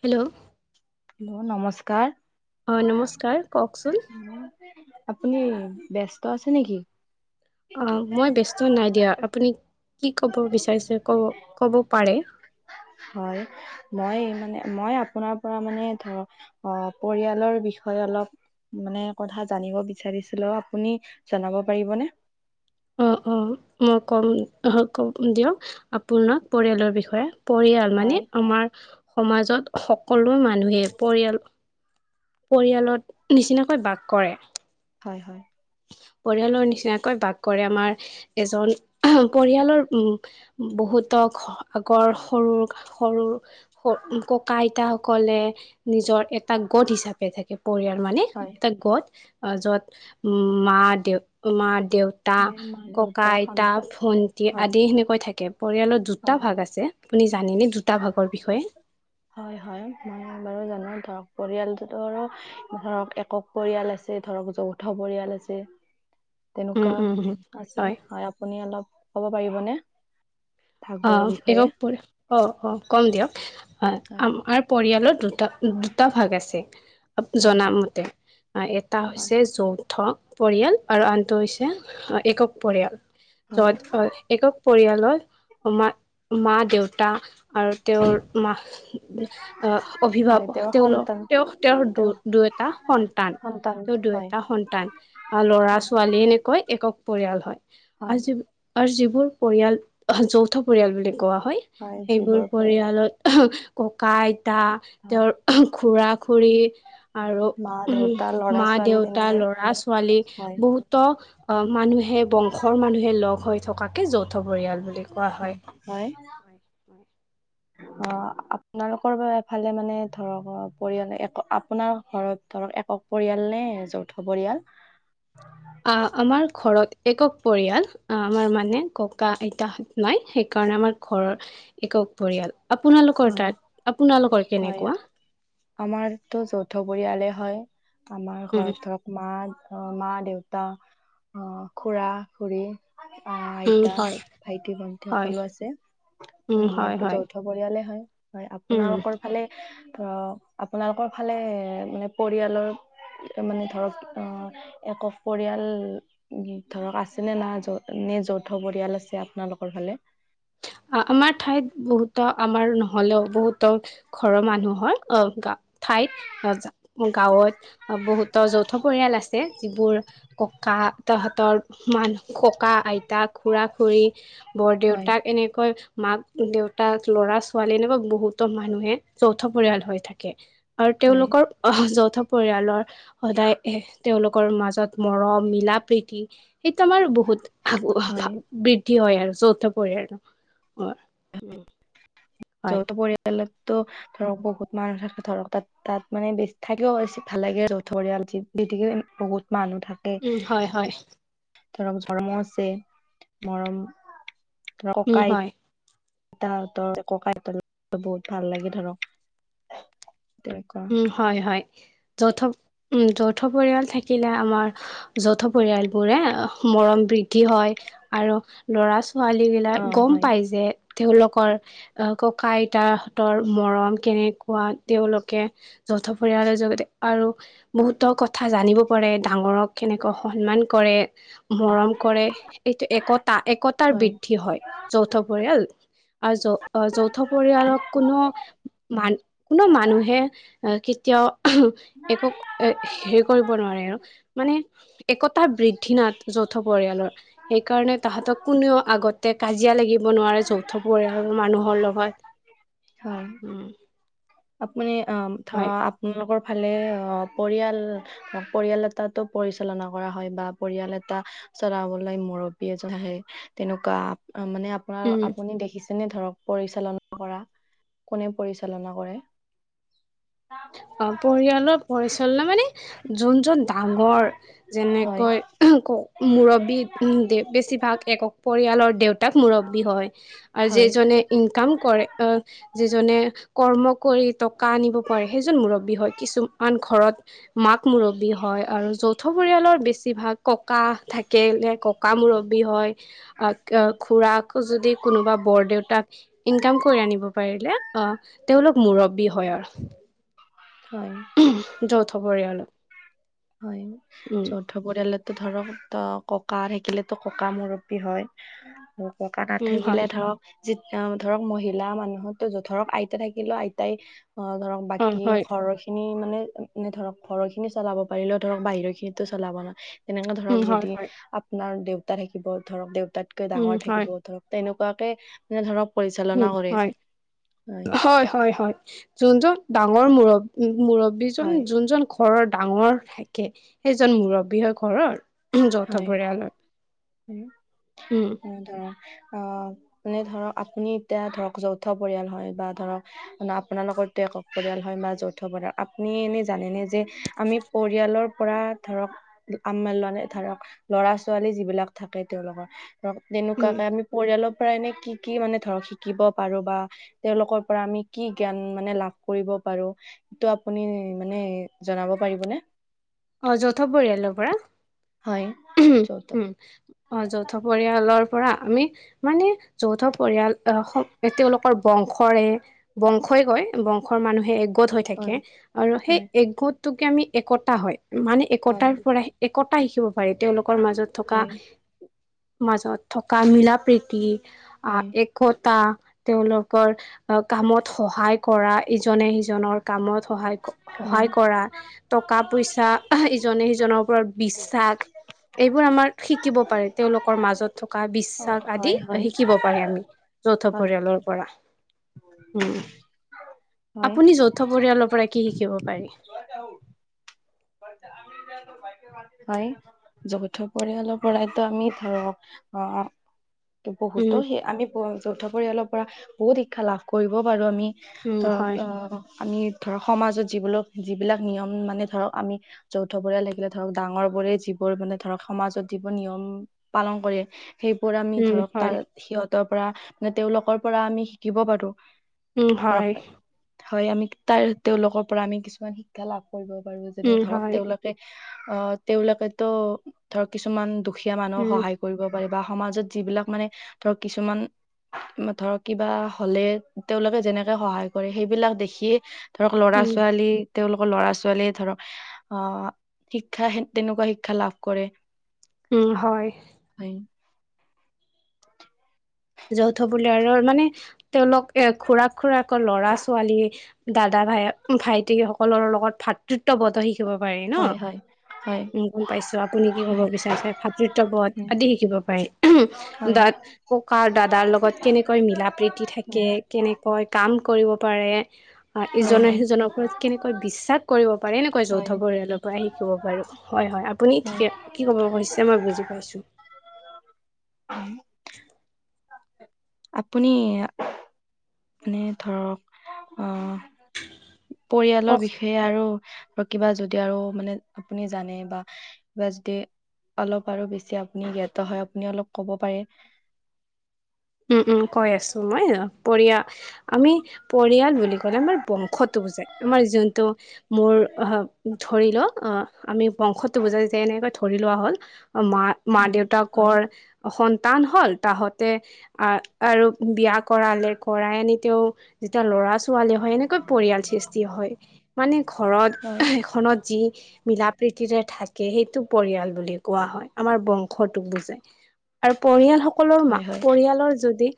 Hello hello, নমস্কাৰ। অ', নমস্কাৰ কওকচোন। আপুনি ব্যস্ত আছে নেকি? অ', মই ব্যস্ত নাই দিয়া, আপুনি কি কব বিচাৰিছে কব-কব পাৰে। হয় মই মানে, মই আপোনাৰ পৰা মানে ধৰ অ', পৰিয়ালৰ বিষয়ে অলপ মানে কথা জানিব বিচাৰিছিলো, আপুনি জনাব পাৰিবনে? অ', অ', মই কম আহ কম দিয়ক, আপোনাক পৰিয়ালৰ বিষয়ে। পৰিয়াল মানে হয়, আমাৰ সমাজত সকলো মানুহে পৰিয়াল পৰিয়ালত নিচিনাকৈ বাস কৰে। হয় হয়। পৰিয়ালৰ নিচিনাকৈ বাস কৰে আমাৰ, এজন পৰিয়ালৰ উম, বহুত [unintelligible] আগৰ সৰু-সৰু ককা আইতাসকলে নিজৰ এটা গত হিচাপে থাকে, পৰিয়াল মানে হয়, এটা গত অ', যত উম, মা দেউ, মা দে দেউতা, হয় মা ককা, দেউতা আইতা, সন্তান ভন্টি হয়, আদি সেনেকৈ থাকে, পৰিয়ালত দুটা হয়। ভাগ আছে। আপুনি জানেনে দুটা ভাগৰ বিষয়ে হয় হয়, মই বাৰু জানো ধৰক পৰিয়ালটোতো ধৰক, একক পৰিয়াল আছে, ধৰক যৌথ পৰিয়াল আছে। উম তেনেকুৱা উম আছে, হয় আপুনি অলপ ক'ব পাৰিবনে? ভাগবোৰৰ অ', বিষয়ে হয়, একক [unintelligible] অ', অ', কম দিয়ক অ', হয়, আমাৰ পৰিয়ালত দুটা-দুটা ভাগ আছে। হয়, জনামতে এটা হয়। হৈছে যৌথ পৰিয়াল আৰু আনটো হৈছে একক পৰিয়াল। হয় য'ত গৈ একক পৰিয়ালৰ মা মা দেউতা আৰু তেওঁৰ মা অ' হয় অভিভাৱক তেওঁৰ তেওঁলোক সন্তান তেওঁ তেওঁৰ দু দুইটা সন্তান। তেওঁ দুই এটা সন্তান আহ ল'ৰা হয় ছোৱালী এনেকৈ একক। পৰিয়াল হয় আ হয় যি আৰু যিবোৰ পৰিয়াল যৌথ পৰিয়াল বুলি কোৱা হয়। সেইবোৰৰ যিবোৰ পৰে পৰিয়ালত ককা-আইতা আহ, তেওঁৰ খুৰা খুৰী আৰু মা উম, দেউতা ল'ৰা ছোৱালী মা-দেউতা তেনেকে ল'ৰা ছোৱালী হয় বহুতো মানুহে বংশৰ মানুহে লগ হৈ থকাকে যৌথ পৰিয়াল বুলি কোৱা হয়। হয়, হয়। [unintelligible] অ' আপোনালোকৰ এফালে মানে ধৰক পৰিয়াল আপোনাৰ ঘৰত ধৰক একক পৰিয়াল নে যৌথ পৰিয়াল? আহ আমাৰ ঘৰত একক পৰিয়াল। আমাৰ মানে ককা আইতাহত নাই সেই কাৰণে আমাৰ ঘৰৰ একক পৰিয়াল। আপোনালোকৰ হয় তাত আপোনালোকৰ হয় কেনেকুৱা? আমাৰতো যৌথ পৰিয়ালে হয়। আমাৰ উম ঘৰত ধৰক মা অ' মা দেউতা অ' খুৰা-খুৰী অ' উম আইতা হয় ভাইটি ভন্টি হয় সকলো আছে। উম হয় আমাৰতো হয় যৌথ পৰিয়ালে হয়, হয়। উম আপোনালোকৰ ফালে ধৰক আপোনালোকৰ ফালে মানে পৰিয়ালৰ মানে ধৰক অ' একক পৰিয়াল ধৰক আছেনে নাই যৌ এনে যৌথ পৰিয়াল আছে আপোনালোকৰ ফালে? আমাৰ ঠাইত বহুতো আমাৰ নহ'লেও বহুতো ঘৰৰ মানুহ হয় অ' গা ঠাইত আহ গাঁৱত বহুতো যৌথ পৰিয়াল আছে, যিবোৰ ককা ককা তাহাঁতৰ মানুহ ককা-আইতাক খুৰা খুৰী বৰ হয় দেউতাক এনে মাক দেউতা ল'ৰা ছোৱালী এনেকৈ বহুতো মানুহে যৌথ পৰিয়াল হৈ থাকে। আৰু হয় তেওঁলোকৰ অহ যৌথ পৰিয়ালৰ, সদায় এ তেওঁলোকৰ মাজত মৰম, মিলা প্ৰীতি, সেইটো আমাৰ বহুত বৃদ্ধি হয় আৰু যৌথ পৰিয়ালৰ, অ, উম। যৌথ পৰিয়ালত ধৰক বহুত মানুহ থাকে ধৰক তাত তাত মানে বেছি থাকেও বেছি ভাল লাগে আৰু ধৰিয়ালি গতিকে বহুত মানুহ থাকে হয় হয় ধৰক ধৰ্ম আছে, মৰম, ধৰক উম ককা আইত হয় তাহঁতৰ, ককাআইতাহঁতৰ বহুত ভাল লাগে ধৰক তেনেকুৱা উম, হয়-হয় যৌথ উম, যৌথ পৰিয়াল থাকিলে আমাৰ যৌথ পৰিয়ালবোৰে মৰম বৃদ্ধি হয়। আৰু লৰা-ছোৱালী বিলাক অ', গম হয়। পাই যে তেওঁলোকৰ অ, ককা-আইতাহঁতৰ মৰম কেনেকুৱা তেওঁলোকে যৌথ পৰিয়ালৰ জগদে আৰু বহুতো কথা জানিব পাৰে ডাঙৰক কেনেকুৱা সন্মান মান কৰে মৰম কৰে এইটো একতা-একতাৰ হয়, বৃদ্ধি হয় যৌথ পৰিয়াল। আৰু যৌ আহ, যৌথ পৰিয়ালক কোনো মান কোনো মানুহে অ, কেতিয়াও একক এ হেৰি কৰিব নোৱাৰে আৰু মানে একত [unintelligible] বৃদ্ধি নাট যৌথ পৰিয়ালৰ সেইকাৰণে তাহাঁতক কোনেও আগতে কাজিয়া লাগিব নোৱাৰে যৌথ পৰিয়ালৰ মানুহৰ লগত। হয় উম আপুনি অ, ধৰা হয় আপোনালোকৰ ফালে অহ, পৰিয়াল-পৰিয়াল এটাতো পৰিচালনা কৰা হয় বা পৰিয়াল এটা চৰাবলৈ মুৰব্বী এজন আহে তেনেকুৱা অ, মানে আপোনাৰ উম আপুনি দেখিছেনে ধৰক পৰিচালনা কৰা কোনে পৰিচালনা কৰে? [unintelligible] অ, পৰিয়ালৰ পৰিচালনা মানে যোনজন ডাঙৰ হয়, যেনেকৈ ক'ক মুৰব্বী বেছিভাগ এক ক'ক পৰিয়ালৰ তাক মুৰব্বী হয় আৰু হয়। যিজনে ইনকাম কৰে অ, যিজনে কৰ্ম কৰি টকা আনিব পাৰে সেইজন মুৰব্বী হয় কিছুমান ঘৰত মাক মুৰব্বী হয় আৰু যৌথ পৰিয়ালৰ বেছি বেছিভাগ ককা থাকে এ ককা মুৰব্বী হয়। হয়। খুৰাক যদি কোনোবা বৰ দেউতাক ইনকাম কৰি আনিব পাৰিলে অ তেওঁলোক মুৰব্বী হয় অ হয়, যৌথ পৰিয়াল হয় যৌথ পৰিয়ালত টো ধৰক অ ককা থাকিলেতো ককা মুৰ্বী হয় ককা উম, নাথাকিলে হয়, ধৰক যি ধৰক মহিলা মানুহতো ধৰক আইতা থাকিলেও আইতাই অ ধৰক হয়, বাকী হয়, ঘৰৰ খিনি মানে ধৰক ঘৰ খিনি চলাব পাৰিলেও ধৰক বাহিৰৰ খিনিতো চলাব ন তেনেকে ধৰক উম, হয়, যদি হয়, আপোনাৰ দেউ দেউতা থাকিব ধৰক দেউতাতকৈ উম, ডাঙৰ হয়, থাকিব ধৰক তেনেকুৱাকে মানে ধৰক পৰিচালনা উম কৰে হয় হয় হয় হয় যোনজন ডাঙৰ মুৰব্ উম মুৰব্বীজন হয় যোনজন ঘৰৰ ডাঙৰ থাকে সেইজন মুৰব্বী হয় ঘৰৰ যৌথ পৰিয়াল উম উম ধৰক অ মানে ধৰক আপুনি এতিয়া ধৰক যৌথ পৰিয়াল হয় বা ধৰক আপোনালোকৰ একক পৰিয়াল হয় বা যৌথ পৰিয়াল আপুনি এনেই জানেনে যে আমি পৰিয়ালৰ পৰা ধৰক আমাৰ লানে ধৰক ল'ৰা ছোৱালী যিবিলাক থাকে তেওঁলোকৰ ধৰক উম। তেনেকুৱাকে আমি পৰিয়ালৰ পৰাই এনে কি কি মানে ধৰক শিকিব পাৰো বা তেওঁলোকৰ পৰা আমি কি জ্ঞান মানে লাভ কৰিব পাৰোঁ, সেইটো আপুনি মানে জনাব পাৰিবনে? অ' যৌথ পৰিয়ালৰ পৰা। হয় যৌথ উম, অ' যৌথ পৰিয়ালৰ পৰা আমি মানে যৌথ পৰিয়াল অহ'খ তেওঁলোকৰ বংশ কৰে বংশই কয়, বংশৰ মানুহে একগোট হৈ থাকে হয় আৰু সেই হয় একগোট তোক আমি একতা হয়, মানে হয় একতাৰ পৰাহে, একতা শিকিব পাৰি তেওঁলোক তেওঁ লোকৰ মাজত থকা হয় মাজত থকা মিল প্ৰীতি অ' হয় একতাৰ। তেওঁলোকৰ কামত সহায় কৰা ইজনে সিজনৰ কামত। সহায় হয়। সহায় কৰা, টকা, পইচা ইজনে সিজনৰ ওপৰত বিশ্বাস। এইবোৰ আমাৰ শিকিব পাৰে, তেওঁলোকৰ মাজত থকা বিশ্বাস অ', তাক আদি হয়, হয়, শিকিব পাৰি আমি যৌথ হয়, পৰিয়ালৰ পৰা উম। হয়, আপুনি যৌথ পৰিয়ালৰ পৰা কি শিকিব পাৰি? হয়, যৌথ পৰিয়ালৰ পৰাইতো আমি ধৰক আহ বহুতো উম সেই আমি যৌথ পৰিয়ালৰ পৰা বহুত শিক্ষা লাভ কৰিব পাৰোঁ আমি। উম ধৰ হয় অ' আমি ধৰক সমাজত যিবিলাক যিবিলাক নিয়ম মানে ধৰক আমি যৌথ পৰিয়াল সেই ধৰক ডাঙৰ বোৰে যিবোৰ মানে ধৰক সমাজত যিবোৰ নিয়ম পালন কৰে। সেইবোৰৰ, আমি উম ধৰক হয় তাৰ সিহঁতৰ পৰা মানে তেওঁওলোকৰ পৰা আমি শিকিব পাৰোঁ। উম, হয়। হয়, আমি তাৰ তেওঁলোকৰ পৰা আমি কিছুমান শিক্ষা লাভ কৰিব পাৰোঁ যেনে উম ধৰক হয় তেওঁলোকে অ' তেওঁলোকেতো ধৰ কিছুমান দুখীয়া মানুহক উম সহায় কৰিব পাৰে। বা সমাজত যিবিলাক মানে ধৰ কিছুমান ধৰক কিবা হ'লে তেওঁলোকে যেনেকে সহায় কৰে সেইবিলাক দেখিয়ে। ধৰক ল'ৰা উম ছোৱালী তেওঁলোকৰ ল'ৰা ছোৱালীয়ে ধৰক আহ। শিক্ষা সেই তেনেকুৱা শিক্ষা লাভ কৰে। উম, হয়। হয় যৌথ পৰিয়ালৰ মানে তেওঁলোক এ খুৰা খুৰাককৰ ল'ৰা-ছোৱালী, দাদা ভায়েক ভাইটি সকলৰ লগত ভাতৃত্ববধ শিকিব পাৰি ন। হয় হয় হয় উম, গ'ম পাইছোঁ। আপুনি কি হয় হয় ক'ব বিচাৰিছে ভাতৃত্ববধ আদি শিকিব পাৰে। দা ককা দাদাৰ লগত কেনেকৈ মিলা প্ৰীতি থাকে, কেনেকৈ কাম কৰিব পাৰে। হয় ইজনে হয় সিজনৰ ওপৰত কেনেকৈ বিশ্বাস কৰিব পাৰে। এনেকুৱয় হয় যৌথ পৰিয়ালৰ পৰা শিকিব বাৰু হয়, হয়। আপুনি হয় ঠিকে কি ক'ব কৈছে, মই বুজি পাইছোঁ। [unintelligible] [unintelligible] আপুনি মানে ধৰক আহ পৰিয়ালৰ কওক বিষয়ে আৰু কিবা, যদি আৰু মানে আপুনি জানে বা কিবা যদি অলপ আৰু বেছি আপুনি জ্ঞাত হয়, আপুনি অলপ ক'ব পাৰে। উম, উম, কৈ আছোঁ মই পৰিয়াল আমি পৰিয়াল বুলি ক'লে মই বংশটো বুজ মই জোনটোৰ। মোৰ অহ, ধৰি ল, অ', আমি বংশটো বুজাই যে, এনেকৈ ধৰি লোৱা হ'ল মা, মা হয় দেউতাকৰ সন্তান হ'ল, তহঁতে আ-আৰু বিয়া কৰালে, কৰাই আনি তেওঁ যেতিয়া ল'ৰা ছোৱালী হয়, এনেকৈ পৰিয়াল সৃষ্টি হয়, মানে ঘৰত হয় এখনত যি মিলা প্ৰীতিৰে থাকে সেইটো পৰিয়াল বুলি কোৱা হয়, আমাৰ বংশটোক বুজাই আৰু পৰিয়ালসক সকলো হয় হয় মা-পৰিয়ালৰ যদি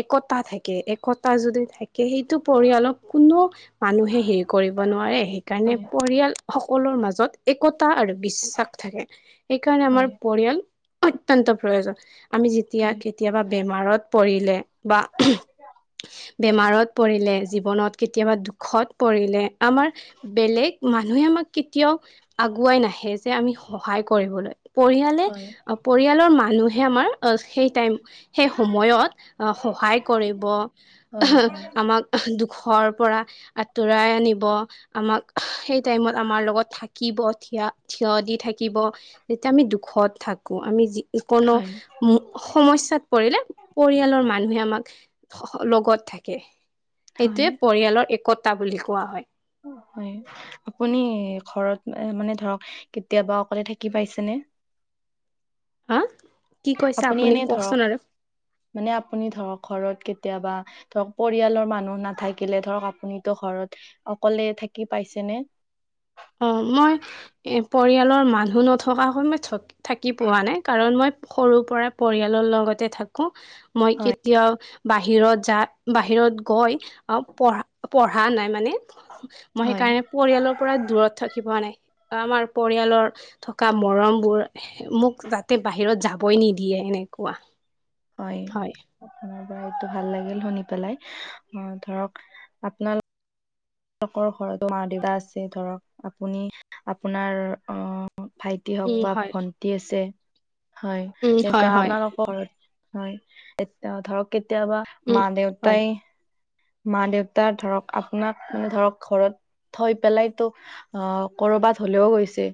একতা থাকে, একতা যদি থাক সেইটো পৰিয়ালক কোনো মানুহে হেৰি কৰিব নোৱাৰে, সেইকাৰণে হয় পৰিয়াল সকলৰ মাজত একতা আৰু বিশ্বাস থাকে সেইকাৰণে আমাৰ হয় পৰিয়াল অত্যন্ত প্ৰয়োজন আমি যেতিয়া হয় কেতিয়াবা বিপদত পৰিলে বা বেমাৰত পৰিলে জীৱনত কেতিয়াবা দুখত পৰিলে আমাৰ বেলেগ মানুহে আমাক কেতিয়াও আগুৱাই নাহে যে আমি সহায় কৰিবলৈ। পৰিয়ালে হয় পৰিয়ালৰ মানুহে আমাৰ সেই টাইম সেই সময়ত সহায় কৰিব, হয় হয় আমাক দুখৰ পৰা আঁতৰাই আনিব, আমাক সেই টাইমত আমাৰ লগত থাকিব থিয়া থিয় দি থাকিব যেতিয়া আমি দুখত থাকো। আমি যি ইকন হয় মো সমস্যাত লে পৰিয়ালৰ মানুহে আমাক লগত থাকে হয় সেইটোৱে পৰিয়ালৰ এক কতা বুলি কোৱা হয়। অ। হয়, আপুনি ঘৰত মানে ধৰক কেতিয়াবা অকলে থাকি পাইছেনে? [inaudible] হা কি কৈছে আপুনি এনে কওকচোন ধৰক আৰু মানে আপুনি ধৰক ঘৰত কেত কেতিয়াবা ধৰক পৰিয়ালৰ মানুহ নাথাকিলে ধৰক আপুনিতো ঘৰত অকলে থাকি পাইছেনে? [inaudible] অ মই এ পৰিয়ালৰ মানুহ নথকাকৈ মই থ থাকি পোৱা নাই। কাৰণ মই সৰু পৰাই পৰিয়ালৰ লগতে থাকো মই হয় কেতিয়াও বাহিৰত যা বাহিৰত গৈ অ পঢ়া পঢ়া নাই মানে। মই হয় সেইকাৰণে পৰিয়ালৰ পৰা দূৰত থাকি পোৱা নাই আমাৰ পৰিয়ালৰ থকা মৰমবোৰ মোক যাতে বাহিৰত যা বই নিদিয়ে এনেকুৱা। হয়। এইটো ভাল লাগিল শুনি পেলাই, অ ধৰক আপোনা লোকৰ ঘৰতো মা দেউতা আছে ধৰক আপুনি আপোনাৰ অ ভাইটি হওক উম বা হয় ভন্টি আছে। হয় উম তেনকা হয় হয় আপোনালোকৰ হয় এ ধৰক কেতিয়াবা উম মা হয় দেউতাই - মা দেউতাৰ ধৰক আপোনাক মানে ধৰক ঘৰত থৈ পেলাইতো আহ কৰবাত হলেও গৈছে।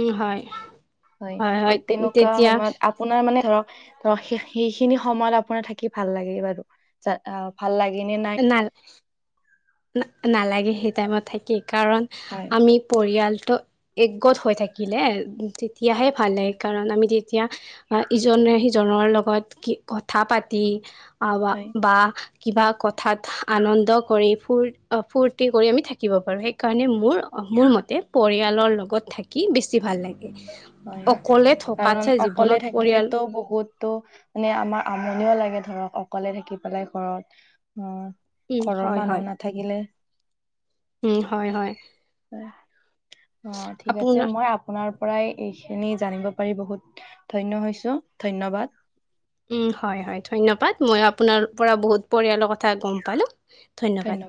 উম, হয়। হয় ত'তেনেকুৱা সময়ত আপোনাৰ মানে ধৰক ত' সেইখিনি সময়ত আপোনাৰ থাকি ভাল লাগে বাৰু যা ভাল লাগে। গেনে নাই? না নালাগে সেই টাইমত থাকি কাৰণ হয় আমি পৰিয়াল ত'একগত হৈ থাকিলে তেতিয়াহে ভাল লাগে কাৰণ আমি তেতিয়া ইজন নে সিজনৰ লগত কি কথা পাতি আৱা হয় বা কিবা কথাত আনন্দ কৰি ফুৰ্ত অ, ফূৰ্তি কৰি আমি থাকিব পাৰোঁ সেইকাৰণে মোৰ-মোৰ মতে পৰিয়ালৰ লগত থাকি বেছি ভাল লাগ হয় কাৰণ অকলে জীৱনত পৰিয়াল থাকিলেতো বহুতো মানে আমাৰ আমনিও লাগে ধৰক অকলে থাকি পেলাই ঘৰত আহ উম ঘৰৰ হয় হয় মানুহ নাথাকিলে উম, হয়-হয়। হয় অ, ঠিক আছে মই আপোনাৰ পৰাই এইখিনি জানিব পাৰি বহুত ধন্য হৈছো ধন্যবাদ। উম, হয়-হয় ধন্যবাদ মইয় আপোনাৰ বহুত পৰিয়ালৰ কথা গম পালোঁ। ধন্যবাদ।